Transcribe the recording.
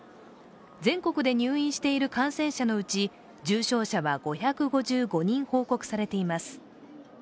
全国で入院している感染者のうち重症者は５５５人報告されています。